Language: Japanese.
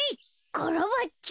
カラバッチョ。